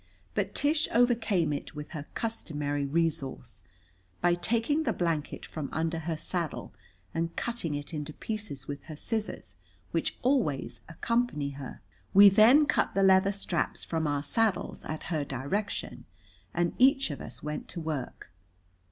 But Tish overcame it with her customary resource, by taking the blanket from under her saddle and cutting it into pieces with her scissors, which always accompany her. We then cut the leather straps from our saddles at her direction, and each of us went to work.